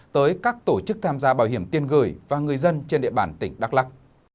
tới các tổ chức tham gia bảo hiểm tiên gửi và người dân trên địa bàn tỉnh đắk lắc